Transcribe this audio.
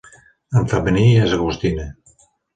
En femení és Agustina.